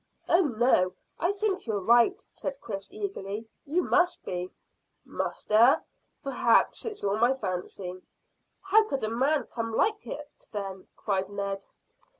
"Oh no: I think you're right," said Chris eagerly. "You must be." "Must, eh? P'raps it's all my fancy." "How could a man come like that, then?" cried Ned.